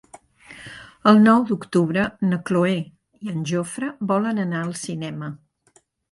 El nou d'octubre na Cloè i en Jofre volen anar al cinema.